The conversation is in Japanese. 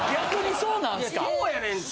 そうやねんて。